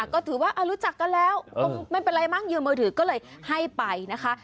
ก็ถือว่ารู้จักกันแล้วคงไม่เป็นไรมั้งยืมมือถือก็เลยให้ไปนะคะ